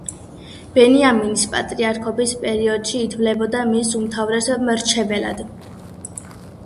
ბენიამინის პატრიარქობის პერიოდში ითვლებოდა მის უმთავრეს მრჩეველად.